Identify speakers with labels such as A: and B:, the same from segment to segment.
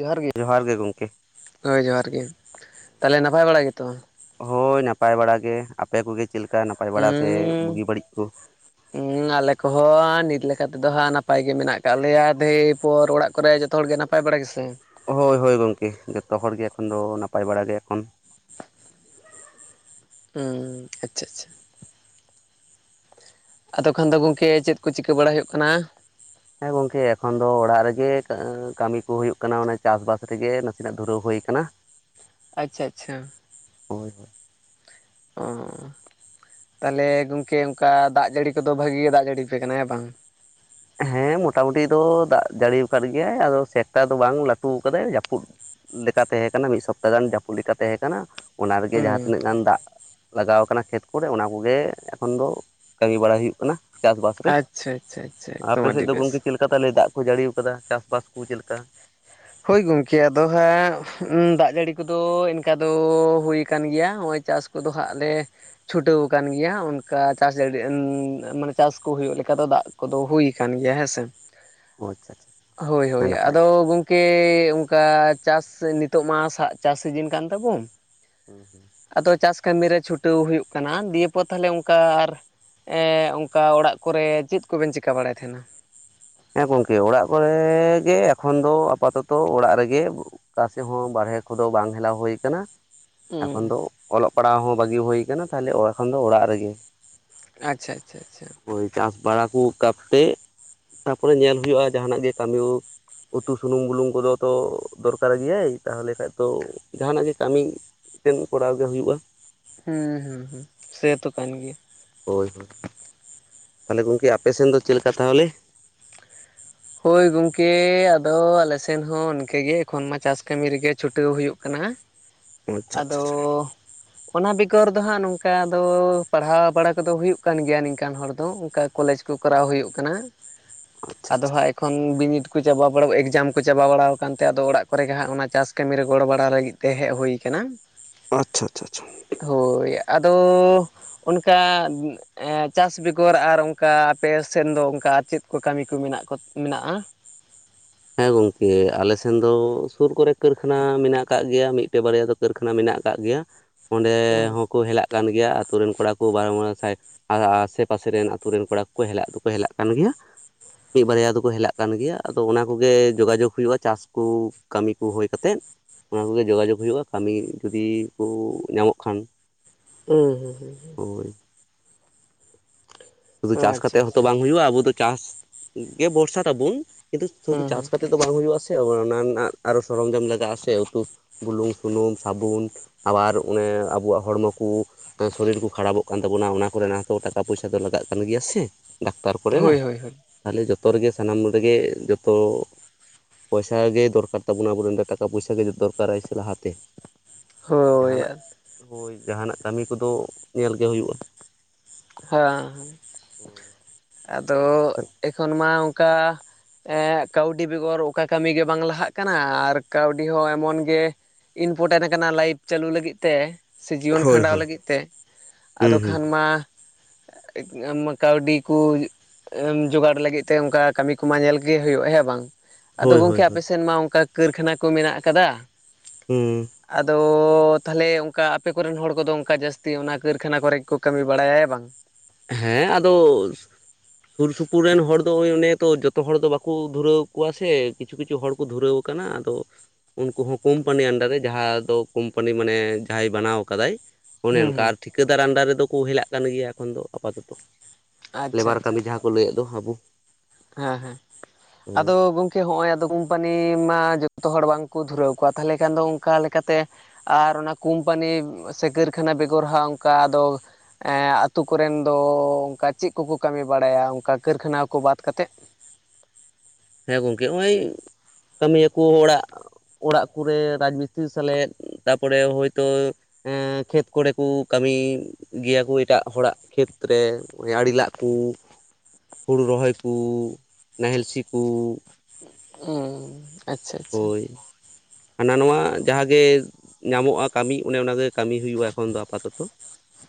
A: ᱡᱚᱦᱟᱨ ᱜᱮ? ᱦᱳᱭ, ᱡᱚᱦᱟᱨ ᱜᱮ᱾ ᱛᱟᱦᱚᱞᱮ ᱱᱟᱯᱟᱭ ᱵᱟᱲᱟ ᱜᱮᱛᱚ?
B: ᱦᱳᱭ, ᱱᱟᱯᱟᱭ ᱵᱟᱲᱟ ᱜᱮ᱾ ᱟᱯᱮ ᱠᱚᱜᱮ ᱪᱮᱫᱞᱮᱠᱟ ᱱᱟᱯᱟᱭ ᱵᱟᱲᱟ ᱥᱮ ᱵᱩᱜᱤ ᱵᱟᱹᱲᱤᱡ ᱠᱚ?
A: ᱦᱮᱸ, ᱟᱞᱮ ᱠᱚᱦᱚᱸ ᱱᱤᱛ ᱞᱮᱠᱟᱛᱮᱫᱚ ᱦᱟᱸᱜ ᱱᱟᱯᱟᱭ ᱜᱮ ᱢᱮᱱᱟᱜ ᱠᱟᱜ ᱞᱮᱭᱟ, ᱫᱤᱭᱮ ᱯᱚᱨ ᱚᱲᱟᱜ ᱠᱚᱨᱮ ᱡᱚ ᱛᱚ ᱦᱚᱲ ᱜᱮ ᱱᱟᱯᱟᱭ ᱵᱟᱲᱟ ᱜᱮ ᱥᱮ
B: ᱦᱳᱭ ᱦᱳᱭ ᱜᱚᱢᱠᱮ, ᱡᱚᱛᱚ ᱦᱚᱲ ᱜᱮ ᱮᱠᱷᱚᱱ ᱫᱚ ᱱᱟᱯᱟᱭ ᱵᱟᱲᱟᱜᱮ ᱮᱠᱷᱚᱱ᱾
A: ᱦᱮᱸ, ᱟᱪᱪᱷᱟ ᱟᱪᱪᱷᱟ᱾ ᱟᱫᱚ ᱠᱷᱟᱱ ᱫᱚ ᱜᱚᱝᱠᱮ ᱪᱮᱫ ᱠᱚ ᱪᱤᱠᱟᱹ ᱵᱟᱲᱟ ᱦᱩᱭᱩᱜ ᱠᱟᱱᱟ?
B: ᱦᱮᱸ, ᱜᱚᱝᱠᱮ ᱮᱠᱷᱚᱱ ᱫᱚ ᱚᱲᱟᱜ ᱨᱮᱜᱮ ᱠᱟᱹᱢᱤ ᱠᱚ ᱦᱩᱭᱩᱜ ᱠᱟᱱᱟ᱾ ᱚᱱᱮ ᱪᱟᱥ ᱵᱟᱥ ᱨᱮᱜᱮ ᱱᱟᱥᱮᱱᱟᱜ ᱫᱷᱩᱨᱟᱹᱣ ᱦᱩᱭ ᱠᱟᱱᱟ᱾
A: ᱟᱪᱪᱷᱟ ᱟᱪᱪᱷᱟ᱾
B: ᱦᱳᱭ᱾ ᱦᱳᱭ
A: ᱚ, ᱛᱟᱦᱚᱞᱮ ᱜᱚᱝᱠᱮ ᱚᱱᱠᱟ ᱫᱟᱜ ᱡᱟᱹᱲᱤ ᱠᱚᱫᱚ ᱵᱷᱟᱜᱤ ᱜᱮ ᱫᱟᱜ ᱡᱟᱹᱲᱤ ᱟᱯᱮ ᱠᱟᱱᱟ ᱦᱮᱸ ᱵᱟᱝ?
B: ᱦᱮᱸ, ᱢᱚᱴᱟ ᱢᱩᱴᱤ ᱫᱚ ᱫᱟᱜ ᱡᱟᱹᱲᱤ ᱟᱠᱟᱣᱫ ᱜᱮᱭᱟᱭ᱾ ᱟᱫᱚ ᱥᱮᱠᱴᱟ ᱫᱚ ᱵᱟᱝ ᱞᱟᱹᱴᱩ ᱠᱟᱫᱟᱭ ᱡᱟᱹᱯᱩᱫ ᱞᱮᱠᱟ ᱛᱮᱦᱮᱸ ᱠᱟᱱᱟ ᱢᱤᱫ ᱥᱚᱯᱛᱟ ᱜᱟᱱ, ᱡᱟᱹᱯᱩᱫ ᱞᱮᱠᱟ ᱛᱮᱦᱮᱸ ᱠᱟᱱᱟ᱾ ᱚᱱᱟ ᱨᱮᱜᱮ
A: ᱦᱩᱸ
B: ᱡᱟᱦᱟᱸ ᱛᱤᱱᱟᱹᱜ ᱫᱟᱜ᱾ ᱞᱟᱜᱟᱣ ᱟᱠᱟᱱᱟ ᱠᱷᱮᱛ ᱠᱚᱨᱮ ᱚᱱᱟ ᱠᱚᱜᱮ ᱮᱠᱷᱚᱱ ᱫᱚ ᱠᱟᱹᱢᱤ ᱵᱟᱲᱟ ᱦᱩᱭᱩᱜ ᱠᱟᱱᱟ ᱪᱟᱥ-ᱵᱟᱥ ᱨᱮ?
A: ᱟᱪᱪᱷᱟ ᱟᱪᱪᱷᱟ᱾ ᱟᱪᱪᱷᱟ ᱮᱠᱫᱚᱢ
B: ᱟᱯᱮ ᱥᱮᱫ
A: ᱟᱹᱰᱤ
B: ᱫᱚ
A: ᱵᱮᱥ
B: ᱜᱚᱝᱠᱮ ᱪᱮᱫ ᱞᱮᱠᱟ ᱛᱟᱦᱞᱮ ᱫᱟᱜ ᱠᱚ ᱡᱟᱹᱲᱤᱣ ᱠᱟᱫᱟ? ᱪᱟᱥ-ᱵᱟᱥ ᱠᱚ ᱪᱮᱫ ᱞᱮᱠᱟ?
A: ᱦᱳᱭ ᱜᱚᱝᱠᱮ ᱟᱫᱚ ᱦᱟᱸᱜ ᱫᱟᱜ ᱡᱟᱹᱲᱤ ᱠᱚᱫᱚ ᱮᱱᱠᱟ ᱫᱚ ᱦᱩᱭ ᱠᱟᱱ ᱜᱮᱭᱟ ᱦᱚᱸᱜ-ᱚᱭ ᱪᱟᱥ ᱠᱚᱫᱚ ᱦᱟᱸᱜ ᱞᱮ ᱪᱷᱩᱴᱟᱹᱣ ᱟᱠᱟᱱ ᱜᱮᱭᱟ ᱚᱱᱠᱟ ᱪᱟᱥ ᱡᱟᱹᱲᱤ ᱢᱟᱱᱮ ᱪᱟᱥ ᱠᱚ ᱦᱩᱭᱩᱜ ᱞᱮᱠᱟ ᱫᱚ ᱫᱟᱜ ᱠᱚ ᱫᱚ ᱦᱩᱭ ᱟᱠᱟᱱ ᱜᱮᱭᱟ ᱦᱮᱸᱥᱮ᱾
B: ᱚ ᱟᱪᱪᱷᱟ ᱟᱪᱪᱷᱟ
A: ᱦᱳᱭ
B: ᱟᱹᱰᱤ
A: ᱦᱳᱭ,
B: ᱱᱟᱯᱟᱭ
A: ᱟᱫᱚ ᱠᱮ ᱚᱱᱠᱟ ᱪᱟᱥ ᱱᱤᱛᱚᱜ ᱢᱟ ᱦᱟᱸᱜ ᱪᱟᱥ ᱥᱤᱡᱤᱱ ᱠᱟᱱ ᱛᱟᱵᱚᱱ᱾
B: ᱦᱩᱸ ᱦᱩᱸ᱾
A: ᱟᱫᱚ ᱪᱟᱥ ᱠᱟᱹᱢᱤᱨᱮ ᱪᱷᱩᱴᱟᱹᱣ ᱦᱩᱭᱩᱜ ᱠᱟᱱᱟ᱾ ᱫᱤᱭᱮᱯᱚᱨ ᱛᱷᱟᱞᱮ ᱚᱱᱠᱟ ᱟᱨ ᱮᱸᱜ ᱚᱱᱠᱟ ᱚᱲᱟᱜ ᱠᱚᱨᱮ ᱪᱮᱫ ᱠᱚᱵᱮᱱ ᱪᱤᱠᱟᱹ ᱵᱟᱲᱟᱭ ᱛᱟᱦᱮᱱᱟ?
B: ᱦᱮᱸ, ᱜᱚᱝᱠᱮ ᱚᱲᱟᱜ ᱠᱚᱨᱮ ᱜᱮ ᱮᱠᱷᱚᱱ ᱫᱚ ᱟᱯᱟᱛᱚᱛᱚ ᱚᱲᱟᱜ ᱨᱮᱜᱮ᱾ ᱚᱠᱟ ᱥᱮᱜ ᱦᱚᱸ ᱵᱟᱨᱦᱮ ᱠᱚᱫᱚ ᱵᱟᱝ ᱦᱮᱞᱟᱣ ᱦᱩᱭ ᱠᱟᱱᱟ᱾ ᱮᱠᱷᱚᱱ
A: ᱦᱩᱸ
B: ᱫᱚ ᱚᱞᱚᱜ ᱯᱟᱲᱦᱟᱜ ᱦᱚᱸ ᱵᱷᱟᱹᱜᱤ ᱦᱩᱭ ᱠᱟᱱᱟ, ᱛᱟᱦᱚᱞᱮ ᱮᱠᱷᱚᱱ ᱫᱚ ᱚᱲᱟᱜ ᱨᱮᱜᱮ᱾
A: ᱟᱪᱪᱷᱟ ᱟᱪᱪᱷᱟ ᱟᱪᱪᱷᱟ᱾
B: ᱦᱳᱭ, ᱪᱟᱹᱥ ᱵᱟᱲᱟ ᱠᱚ ᱠᱟᱛᱮ ᱚᱱᱟ ᱛᱟᱯᱚᱨᱮ ᱧᱮᱞ ᱦᱩᱭᱳᱞᱩᱜ-ᱟ ᱡᱟᱸᱦᱟᱱᱟᱜ ᱜᱮ ᱠᱟᱹᱢᱤ ᱦᱳᱠ ᱾ ᱩᱛᱩ ᱥᱩᱱᱩᱢ ᱵᱩᱞᱩᱝ ᱠᱚᱫᱚ ᱛᱚ ᱫᱚᱨᱠᱟᱨ ᱜᱮᱭᱟᱭ, ᱛᱟᱦᱚᱞᱮ ᱠᱷᱟᱡ ᱛᱚ ᱡᱟᱦᱟᱸᱱᱟᱜ ᱜᱮ ᱠᱟᱹᱢᱤ ᱴᱮᱱ ᱠᱚᱨᱟᱣ ᱜᱮ ᱦᱩᱭᱩᱜ-ᱟ᱾
A: ᱦᱩᱸ ᱦᱩᱸ ᱦᱩᱸ, ᱥᱮ ᱛᱚ ᱠᱟᱱ ᱜᱮᱭᱟ᱾
B: ᱦᱳᱭ ᱦᱳᱭ, ᱛᱟᱦᱚᱞᱮ ᱜᱚᱝᱠᱮ ᱟᱯᱮ ᱥᱮᱱ ᱫᱚ ᱪᱮᱫ ᱞᱮᱠᱟ ᱛᱟᱦᱚᱞᱮ?
A: ᱦᱳᱭ ᱜᱚᱝᱠᱮ, ᱟᱫᱚ ᱟᱞᱮ ᱥᱮᱱ ᱦᱚᱸ ᱤᱱᱠᱟᱹᱜ ᱜᱮ ᱮᱠᱷᱚᱱ ᱢᱟ ᱪᱟᱥ ᱠᱟᱹᱢᱤ ᱨᱮᱜᱮ ᱪᱷᱩᱴᱟᱹᱣ ᱦᱩᱭᱩᱜ ᱠᱟᱱᱟ᱾
B: ᱟᱪᱪᱷᱟ
A: ᱟᱫᱚ
B: ᱟᱪᱪᱷᱟ
A: ᱚᱱᱟ ᱵᱮᱜᱚᱨ ᱫᱚ ᱦᱟᱸᱜ ᱱᱚᱝᱠᱟᱱ ᱫᱚ ᱯᱟᱲᱦᱟᱣ ᱵᱟᱲᱟ ᱠᱚᱫᱚ ᱦᱩᱭᱩᱜ ᱠᱟᱱ ᱜᱮᱭᱟ, ᱱᱤᱝᱠᱟᱱ ᱦᱚᱲ ᱫᱚ ᱚᱱᱠᱟ ᱠᱚᱞᱮᱡᱽ ᱠᱚᱨᱟᱣ ᱦᱩᱭᱩᱜ ᱠᱟᱱᱟᱪ,
B: ᱟᱪᱪᱷᱟ
A: ᱟᱫᱚ
B: ᱟᱪᱪᱷᱟ
A: ᱦᱟᱸᱜ ᱠᱷᱚᱱ ᱵᱤᱱᱤᱰ ᱠᱚ ᱪᱟᱵᱟ ᱵᱟᱲᱟ ᱮᱠᱡᱟᱢ ᱠᱚ ᱪᱟᱵᱟ ᱵᱟᱲᱟᱣ ᱠᱟᱱᱛᱮ, ᱟᱫᱚ ᱚᱲᱟᱜ ᱠᱚᱨᱮᱜᱮ ᱦᱟᱸᱜ ᱚᱱᱟ ᱪᱟᱥ ᱠᱟᱹᱢᱤ ᱨᱮ ᱜᱚᱲᱚ ᱵᱟᱲᱟ ᱞᱟᱹᱜᱤᱫ ᱛᱮ ᱦᱮᱜ ᱦᱩᱭ ᱠᱟᱱᱟ᱾
B: ᱟᱪᱪᱷᱟ ᱪᱪᱪᱷᱟ ᱟᱪᱪᱷᱟ᱾
A: ᱦᱳᱭ, ᱟᱫᱚ ᱚᱱᱠᱟ ᱮᱻᱪᱟᱥ ᱵᱮᱜᱚᱨ ᱟᱨ ᱚᱝᱠᱟ ᱟᱯᱮ ᱥᱮᱱ ᱫᱚ ᱚᱱᱠᱟ ᱪᱮᱫ ᱠᱚ ᱠᱟᱹᱢᱤ ᱠᱚ ᱢᱮᱱᱟᱜ ᱢᱮᱱᱟᱜᱼᱟ᱾
B: ᱦᱮᱸ ᱜᱚᱢᱠᱮ ᱟᱞᱮ ᱥᱮᱱ ᱫᱚ ᱥᱩᱨ ᱠᱚᱨᱮ ᱠᱟᱹᱨᱠᱷᱟᱱᱟ ᱢᱮᱱᱟᱜ ᱠᱟᱜ ᱜᱮᱭᱟ ᱢᱤᱫᱴᱮᱜ ᱵᱟᱨᱭᱟ ᱫᱚ ᱠᱟᱹᱨᱠᱷᱟᱱᱟ ᱢᱮᱱᱟᱜ ᱠᱟᱜ ᱜᱮᱭᱟ ᱚᱸᱰᱮ
A: ᱦᱩᱸ
B: ᱦᱚᱸᱠᱚ ᱦᱮᱞᱟᱜ ᱠᱟᱱ ᱜᱮᱭᱟ ᱟᱛᱳ ᱨᱮᱱ ᱠᱚᱲᱟ ᱠᱚ ᱵᱟᱨᱚ ᱟᱨ ᱟᱥᱮ ᱯᱟᱥᱮ ᱨᱮᱱ ᱟᱛᱳ ᱨᱮᱱ ᱠᱚᱲᱟ ᱠᱚᱠᱚ ᱦᱮᱞᱟᱜ ᱫᱚᱠᱚ ᱦᱮᱞᱟᱜ ᱠᱟᱱ ᱜᱮᱭᱟ᱾ ᱢᱤᱫ ᱵᱟᱨᱭᱟ ᱫᱚᱠᱚ ᱦᱮᱞᱟᱜ ᱠᱟᱱ ᱜᱮᱭᱟ ᱟᱫᱚ ᱚᱱᱟ ᱠᱚᱜᱮ ᱡᱳᱜᱟᱡᱳᱜ ᱦᱩᱭᱩᱜᱼᱟ ᱪᱟᱥ ᱠᱩ ᱠᱟᱹᱢᱤ ᱠᱚ ᱦᱩᱭ ᱠᱟᱛᱮᱫ᱾ ᱚᱱᱟ ᱠᱚᱜᱮ ᱡᱳᱜᱟᱡᱳᱜᱽ ᱦᱩᱭᱩᱜᱼᱟ᱾ ᱠᱟᱢᱤ ᱡᱩᱫᱤ ᱠᱩ ᱧᱟᱢᱚᱜ ᱠᱷᱟᱱ᱾
A: ᱦᱩᱸ ᱦᱩᱸ ᱦᱩᱸ᱾
B: ᱦᱳᱭ ᱾ ᱥᱩᱫᱷᱩ
A: ᱚ
B: ᱪᱟᱥ
A: ᱟᱪᱪᱷᱟ
B: ᱠᱟᱛᱮᱜ ᱦᱚᱸᱛᱚ
A: ᱟᱪᱪᱷᱟ
B: ᱵᱟᱝ ᱦᱩᱭᱩᱜᱼᱟ᱾ ᱟᱵᱚ ᱫᱚ ᱪᱟᱥ ᱜᱮ ᱵᱷᱚᱨᱥᱟ ᱛᱟᱵᱚᱱ ᱠᱤᱱᱛᱩ ᱥᱩᱫᱷᱩ
A: ᱦᱩᱸ
B: ᱪᱟᱥ
A: ᱦᱩᱸ
B: ᱠᱟᱛᱮ ᱱᱤᱛᱚᱜ ᱫᱚ ᱵᱟᱵᱩᱱ ᱦᱩᱭᱩᱜᱼᱟ᱾ ᱥᱮ ᱚᱱᱟ ᱨᱮᱱᱟᱜ ᱟᱨᱚ ᱥᱚᱨᱚᱧᱡᱚᱢ ᱞᱟᱜᱟᱜᱼᱟ ᱥᱮ ᱩᱛᱩ ᱵᱩᱞᱩᱝ ᱥᱩᱱᱩᱢ ᱥᱟᱵᱩᱱ ᱟᱵᱟᱨ ᱚᱱᱮ ᱟᱵᱚᱣᱟᱜ ᱦᱚᱲᱢᱚ ᱠᱩ [unintelligible] ᱥᱚᱨᱤᱨ ᱠᱚ ᱠᱷᱟᱨᱟᱯᱚᱜ ᱠᱟᱱ ᱛᱟᱵᱚᱱᱟ ᱚᱱᱟ ᱠᱚᱨᱮᱱᱟᱜ, ᱛᱚ ᱴᱟᱠᱟ ᱯᱩᱭᱥᱟ ᱫᱚ ᱞᱟᱜᱟᱜ ᱠᱟᱱ ᱜᱮᱭᱟ ᱥᱮ ᱰᱟᱠᱛᱟᱨ
A: ᱦᱳᱭ
B: ᱠᱚᱨᱮᱱᱟᱜ
A: ᱦᱳᱭ ᱦᱳᱭ
B: ᱛᱟᱦᱚᱞᱮ ᱡᱚᱛᱚ ᱨᱮᱜᱮ ᱥᱟᱱᱟᱢ ᱨᱮᱜᱮ ᱡᱚᱛᱚ ᱯᱚᱭᱥᱟ ᱜᱮ ᱫᱚᱨᱠᱟᱨ ᱛᱟᱵᱚᱱᱟ ᱟᱵᱚᱨᱮᱱ ᱴᱟᱠᱟ ᱯᱚᱭᱥᱟ ᱜᱮ ᱡᱚᱛᱚ ᱫᱚᱨᱠᱟᱨᱟᱭ ᱥᱮ ᱞᱟᱦᱟᱛᱮ
A: ᱦᱳᱭ
B: ᱡᱟᱦᱟᱱᱟᱜ ᱦᱳᱭ ᱡᱟᱦᱟᱱᱟᱜ ᱠᱟᱹᱢᱤ ᱠᱚᱫᱚ ᱧᱮᱞ ᱜᱮ ᱦᱩᱭᱩᱜᱼᱟ᱾
A: ᱦᱮᱸ ᱟᱫᱚ ᱮᱠᱷᱚᱱ ᱢᱟ ᱚᱝᱠᱟ ᱮ ᱠᱟᱹᱣᱰᱤ ᱵᱮᱜᱚᱨ ᱚᱠᱟ ᱠᱟᱹᱢᱤ ᱜᱮ ᱵᱟᱝ ᱞᱟᱦᱟᱜ ᱠᱟᱱᱟ ᱟᱨ ᱠᱟᱹᱣᱰᱤ ᱦᱚᱸ ᱮᱢᱚᱱ ᱜᱮ ᱤᱱᱯᱚᱴᱮᱱ ᱟᱠᱟᱱᱟ ᱞᱟᱭᱤᱯᱷ ᱪᱟᱹᱞᱩ ᱞᱟᱹᱜᱤᱫ ᱛᱮ᱾ ᱥᱮ ᱡᱤᱣᱚᱱ
B: ᱦᱳᱭ
A: ᱠᱷᱟᱸᱰᱟᱣ
B: ᱦᱳᱭ
A: ᱞᱟᱹᱜᱤᱫ ᱛᱮ ᱟᱫᱚ
B: ᱦᱩᱸ ᱦᱩᱸ
A: ᱠᱷᱟᱱ ᱢᱟ [unintelligible] ᱠᱟᱣᱰᱤ ᱠᱩ ᱮᱢ ᱡᱚᱜᱟᱲ ᱞᱟᱹᱜᱤᱫ ᱛᱮ ᱚᱝᱠᱟ ᱠᱟᱹᱢᱤ ᱠᱚᱢᱟ ᱧᱮᱞ ᱜᱮ ᱦᱩᱭᱩᱜᱼᱟ᱾ ᱦᱮᱸ ᱵᱟᱝ᱾ ᱟᱫᱚ
B: ᱦᱳᱭ ᱦᱳᱭ
A: ᱜᱚᱝᱠᱮ ᱟᱯᱮ
B: ᱦᱳᱭ
A: ᱥᱮᱱ ᱢᱟ ᱚᱝᱠᱟ ᱠᱟᱹᱨᱠᱷᱟᱱᱟ ᱠᱚ ᱢᱮᱱᱟᱜ ᱟᱠᱟᱫᱟ?
B: ᱦᱩᱸ᱾
A: ᱟᱫᱚ ᱛᱟᱦᱚᱞᱮ ᱚᱝᱠᱟ ᱟᱯᱮ ᱠᱚᱨᱮᱱ ᱦᱚᱲ ᱠᱚᱫᱚ ᱚᱱᱠᱟ ᱡᱟᱹᱥᱛᱤ ᱚᱱᱟ ᱠᱟᱹᱨᱠᱷᱟᱱᱟ ᱠᱚᱨᱮ ᱜᱮᱠᱚ ᱠᱟᱹᱢᱤ ᱵᱟᱲᱟᱭᱟ ᱵᱟᱝ᱾
B: ᱦᱮᱸ ᱟᱫᱚ ᱥᱩᱨ ᱥᱩᱯᱩᱨ ᱨᱮᱱ ᱦᱚᱲ ᱫᱚ ᱳᱭ ᱚᱱᱮ ᱛᱚ ᱡᱚᱛᱚ ᱦᱚᱲ ᱫᱚ ᱵᱟᱠᱚ ᱫᱷᱩᱨᱟᱹᱣ ᱠᱚᱣᱟ ᱥᱮ ᱠᱤᱪᱷᱩ ᱠᱤᱪᱷᱩ ᱦᱚᱲ ᱠᱚ ᱫᱷᱩᱨᱟᱹᱣ ᱠᱟᱱᱟ ᱟᱫᱚ ᱩᱱᱠᱩ ᱦᱚᱸ ᱠᱳᱢᱯᱟᱱᱤ ᱟᱱᱰᱟᱨ ᱨᱮ ᱡᱟᱦᱟᱸ ᱫᱚ ᱠᱳᱢᱯᱟᱱᱤ ᱢᱟᱱᱮ ᱡᱟᱦᱟᱸᱭ ᱵᱟᱱᱟᱣ ᱠᱟᱫᱟ ᱚᱱᱮ
A: ᱦᱩᱸ
B: ᱚᱱᱠᱟ
A: ᱦᱩᱸ
B: ᱟᱨ ᱴᱷᱤᱠᱟᱹᱫᱟᱨ ᱟᱱᱰᱟᱨ ᱨᱮᱫᱚ ᱠᱚ ᱦᱮᱞᱟᱜ ᱠᱟᱱ ᱜᱮᱭᱟ ᱮᱠᱷᱚᱱ ᱫᱚ ᱟᱯᱟ, ᱛᱚᱛᱚ᱾
A: ᱟᱪᱪᱷᱟ
B: ᱞᱮᱵᱟᱨ
A: ᱟᱪᱪᱷᱟ
B: ᱠᱟᱹᱢᱤ ᱡᱟᱦᱟᱸ ᱠᱚ ᱞᱟᱹᱭᱮᱫ ᱫᱚ ᱟᱵᱩ᱾
A: ᱦᱮᱸ ᱦᱮᱸ ᱟᱫᱚ ᱜᱚᱢ ᱪᱮ ᱦᱚᱸᱜᱼᱚᱭ ᱟᱫᱚ ᱠᱚᱢᱯᱟᱱᱤ ᱢᱟ ᱡᱚᱛᱚ ᱦᱚᱲ ᱵᱟᱝᱠᱚ ᱫᱷᱩᱨᱟᱹᱣ ᱠᱚᱣᱟ ᱛᱟᱦᱚᱞᱮ ᱠᱷᱟᱱ ᱫᱚ ᱚᱱᱠᱟ ᱞᱮᱠᱟᱛᱮ ᱟᱨ ᱚᱱᱟ ᱠᱩᱢᱯᱟᱱᱤ ᱥᱮ ᱠᱟᱹᱨᱠᱷᱟᱱᱟ ᱵᱮᱜᱚᱨ ᱦᱚᱸ ᱚᱱᱠᱟ ᱟᱫᱚ ᱮᱸ ᱟᱛᱳ ᱠᱚᱨᱮᱱ ᱫᱚ ᱚᱝᱠᱟ ᱪᱮᱫ ᱠᱚᱠᱚ ᱠᱟᱹᱢᱤ ᱵᱟᱲᱟᱭᱟ? ᱚᱱᱠᱟ ᱠᱟᱹᱨᱠᱷᱟᱱᱟ ᱠᱚ ᱵᱟᱫ ᱠᱟᱛᱮᱫ᱾
B: ᱦᱮᱸ ᱜᱚᱝᱠᱮ ᱦᱚᱸᱜᱼᱚᱭ ᱠᱟᱹᱢᱤᱭᱟᱠᱚ ᱚᱲᱟᱜ ᱚᱲᱟᱜ ᱠᱚᱨᱮ ᱨᱟᱡᱽ ᱢᱤᱥᱛᱨᱤ ᱥᱟᱞᱮᱫ ᱛᱟᱯᱚᱨᱮ ᱦᱚᱭᱛᱳ ᱮᱸ ᱠᱷᱮᱛ ᱠᱚᱨᱮ ᱠᱚ ᱠᱟᱹᱢᱤ ᱜᱮᱭᱟ ᱠᱚ ᱮᱴᱟᱜ ᱦᱚᱲᱟᱜ ᱠᱷᱮᱛ ᱨᱮ ᱚᱸᱱᱮ ᱟᱲᱮ ᱞᱟᱜ ᱠᱩ ᱦᱩᱲᱩ ᱨᱚᱦᱚᱭ ᱠᱩ ᱱᱟᱦᱮᱞ ᱥᱤ ᱠᱩ
A: ᱩᱸᱸ ᱾
B: ᱦᱳᱭ᱾ ᱦᱟᱱᱟ ᱱᱚᱣᱟ ᱡᱟᱦᱟᱸᱜᱮ ᱧᱟᱢᱚᱜᱼᱟ᱾ ᱠᱟᱹᱢᱤ ᱚᱱᱮ ᱚᱱᱟᱜᱮ ᱠᱟᱹᱢᱤ ᱦᱩᱭᱩᱜᱼᱟ ᱮᱠᱷᱚᱱ ᱫᱚ ᱟᱯᱟ, ᱛᱚᱛᱚ